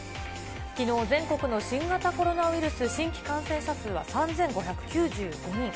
きのう全国の新型コロナウイルス新規感染者数は３５９５人。